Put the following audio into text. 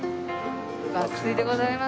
爆睡でございます。